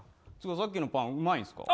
さっきのパンうまいんですか。